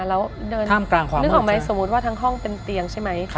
ลุกออกมาแล้วเดินนึกออกไหมสมมุติว่าทั้งห้องเป็นเตียงใช่ไหม